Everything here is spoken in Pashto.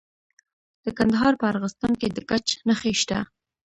د کندهار په ارغستان کې د ګچ نښې شته.